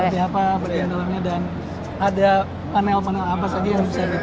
seperti apa bereng dalamnya dan ada panel panel apa saja yang bisa dipakai